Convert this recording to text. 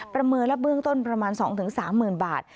ประเมินและเบื้องต้นประมาณสองถึงสามหมื่นบาท